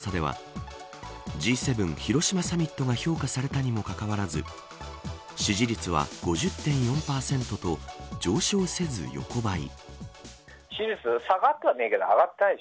先週末にＦＮＮが行った世論調査ではＧ７広島サミットが評価されたにもかかわらず支持率は５０．４％と上昇せず横ばい。